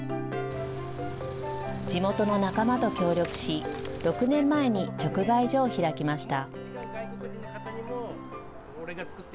地元の仲間と協力し、６年前に直売所を開きました。